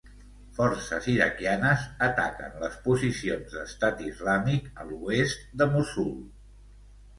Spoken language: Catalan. Forces iraquianes ataquen les posicions d'Estat Islàmic a l'oest de Mossul.